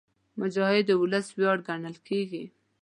مجاهد د ولس ویاړ ګڼل کېږي.